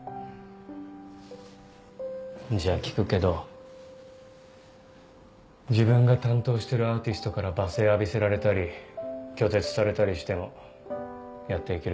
じゃあ聞くけど自分が担当してるアーティストから罵声浴びせられたり拒絶されたりしてもやって行ける